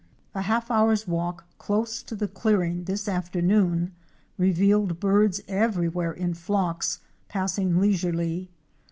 A half hour's walk close to the clearing this afternoon revealed birds everywhere in flocks, passing leisurely.